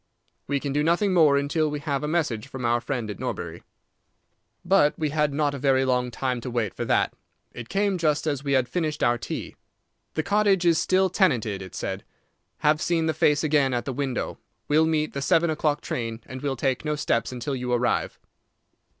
We can do nothing more until we have a message from our friend at Norbury." But we had not a very long time to wait for that. It came just as we had finished our tea. "The cottage is still tenanted," it said. "Have seen the face again at the window. Will meet the seven o'clock train, and will take no steps until you arrive."